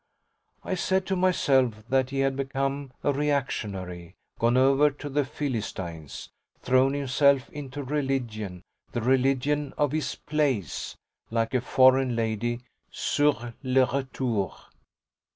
I said to myself that he had become a reactionary, gone over to the Philistines, thrown himself into religion, the religion of his "place," like a foreign lady SUR LE RETOUR.